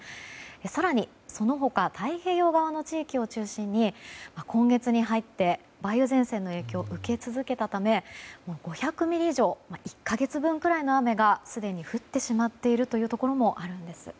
更に、その他太平洋側の地域を中心に今月に入って梅雨前線の影響を受け続けたため５００ミリ以上１か月分くらいの雨がすでに降ってしまっているというところもあるんです。